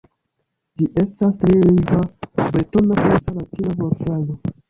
Ĝi estas tri-lingva, bretona-franca-latina vortaro.